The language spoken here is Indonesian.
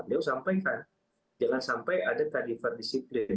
dia sampaikan jangan sampai ada tadi perdisiplin